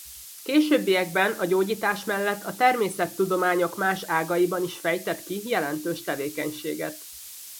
Későbbiekben a gyógyítás mellett a természettudományok más ágaiban is fejtett ki jelentős tevékenységet.